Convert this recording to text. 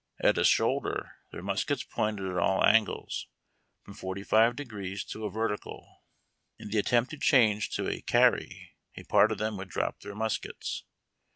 At a "shoulder" their nuiskets pointed at all angles, from forty five degrees to a vertical. In the attempt to change to a " carry," a part of them would drop their muskets.